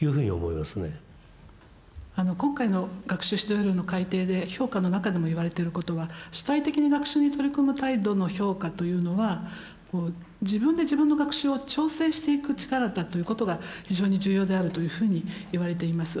今回の学習指導要領の改訂で評価の中でも言われてることは主体的に学習に取り組む態度の評価というのは自分で自分の学習を調整していく力だということが非常に重要であるというふうにいわれています。